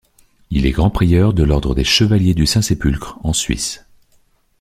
Il est grand-prieur de l'ordre des Chevaliers du Saint-Sépulcre en Suisse.